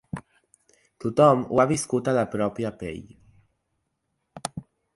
Tothom ho ha viscut a la pròpia pell.